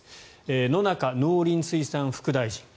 野中農林水産副大臣。